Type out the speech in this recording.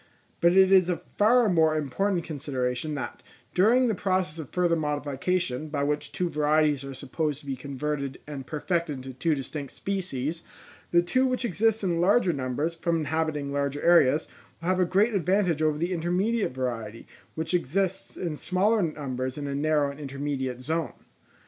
But it is a far more important consideration, that during the process of further modification, by which two varieties are supposed to be converted and perfected into two distinct species, the two which exist in larger numbers, from inhabiting larger areas, will have a great advantage over the intermediate variety, which exists in smaller numbers in a narrow and intermediate zone.